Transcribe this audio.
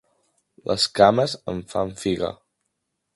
Les cames em fan figa.